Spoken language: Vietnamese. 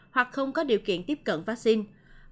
hoặc không có điều kiện tiếp cận vaccine